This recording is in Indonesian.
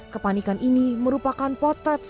kepanikan ini merupakan potret